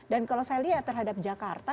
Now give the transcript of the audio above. dan kalau saya lihat terhadap jakarta